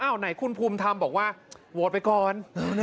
อ้าวไหนคุณภูมิทำบอกว่าโวตไปก่อน